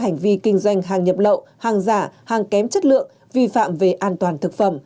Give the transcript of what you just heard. hành vi kinh doanh hàng nhập lậu hàng giả hàng kém chất lượng vi phạm về an toàn thực phẩm